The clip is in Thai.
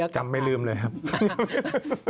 จำไม่ลืมเลยครับ